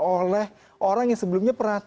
oleh orang yang sebelumnya pernah